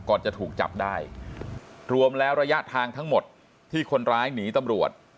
จะถูกจับได้รวมแล้วระยะทางทั้งหมดที่คนร้ายหนีตำรวจ